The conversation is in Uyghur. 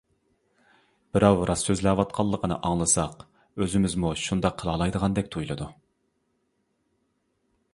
بىراۋ راست سۆزلەۋاتقىنىنى ئاڭلىساق، ئۆزىمىزمۇ شۇنداق قىلالايدىغاندەك تۇيۇلىدۇ.